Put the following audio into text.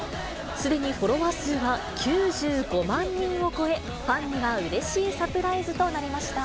すでにフォロワー数は９５万人を超え、ファンにはうれしいサプライズとなりました。